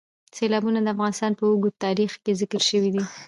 سیلابونه د افغانستان په اوږده تاریخ کې ذکر شوي دي.